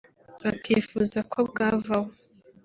bakifuza ko bwavaho